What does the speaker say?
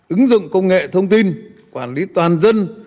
ứng dụng công nghệ thông tin quản lý toàn dân